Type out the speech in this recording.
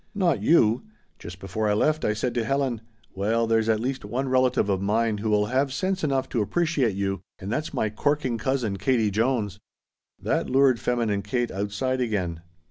"Not you! Just before I left I said to Helen: 'Well there's at least one relative of mine who will have sense enough to appreciate you, and that's my corking cousin Katie Jones!'" That lured feminine Kate outside again.